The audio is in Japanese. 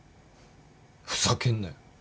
ふざけんなよ。